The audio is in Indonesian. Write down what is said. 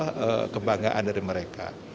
wisuda adalah puncak kebanggaan dari mereka